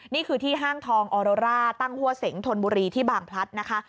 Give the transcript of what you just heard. นี่คือที่ห้างทองออโรร่าตั้งหัวเสงธนบุรีที่บางพลัดนะคะ